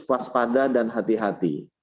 waspada dan hati hati